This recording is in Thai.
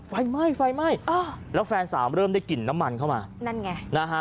ไฟไหม้แฟนสามเริ่มได้กลิ่นน้ำมันเข้ามา